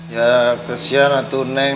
ya kasihan atu neng